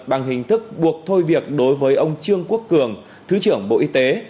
bằng hình thức buộc thôi việc đối với ông trương quốc cường thứ trưởng bộ y tế